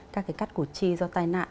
các cái cắt cụt chi do tai nạn